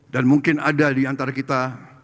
dan mungkin ada di antara kita